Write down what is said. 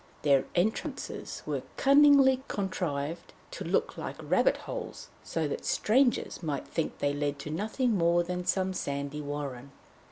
Their entrances were cunningly contrived to look like rabbit holes, so that strangers might think they led to nothing more than some sandy warren.